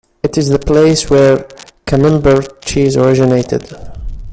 It is the place where camembert cheese originated.